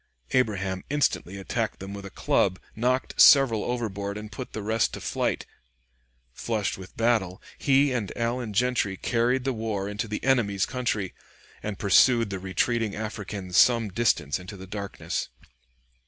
Abraham instantly attacked them with a club, knocked several overboard and put the rest to flight; flushed with battle, he and Allen Gentry carried the war into the enemy's country, and pursued the retreating Africans some distance in the darkness.